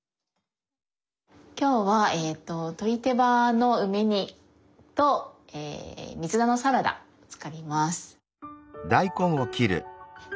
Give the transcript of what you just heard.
今日は鶏手羽の梅煮と水菜のサラダ作ります。